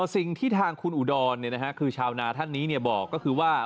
สิ่งที่ทางคุณอุดรคือชาวนาท่านนี้บอกก็คือว่า